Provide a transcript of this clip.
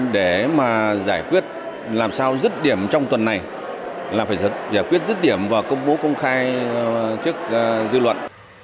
để mà giải quyết làm sao dứt điểm trong tuần này là phải giải quyết rứt điểm và công bố công khai trước dư luận